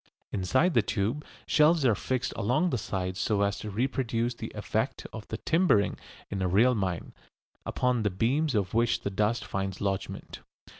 Inside the tube, shelves are fixed along the sides so as to reproduce the effect of the timbering in a real mine, upon the beams of which the dust finds lodgment.